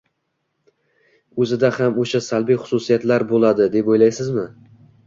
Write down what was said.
O‘zida ham o‘sha salbiy xususiyatlar bo‘ladi, deb o‘ylaysizmi?